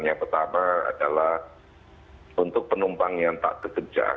yang pertama adalah untuk penumpang yang tak bekerja